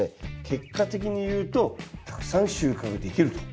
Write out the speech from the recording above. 結果的にいうとたくさん収穫できると。